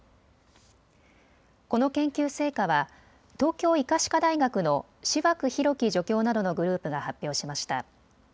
この研究成果は東京医科歯科大学の塩飽裕紀助教などのグループが発表しました。